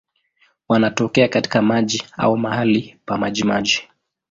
Wanatokea katika maji au mahali pa majimaji.